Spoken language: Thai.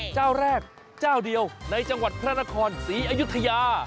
เจ้าแรกเจ้าเดียวในจังหวัดพระนครศรีอยุธยา